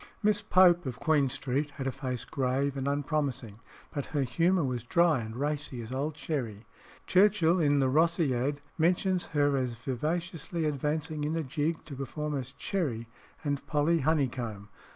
Miss Pope, of Queen Street, had a face grave and unpromising, but her humour was dry and racy as old sherry. Churchill, in the "Rosciad," mentions her as vivaciously advancing in a jig to perform as Cherry and Polly Honeycomb.